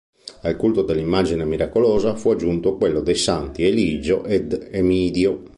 Al culto dell'immagine miracolosa fu aggiunto quello dei santi Eligio ed Emidio.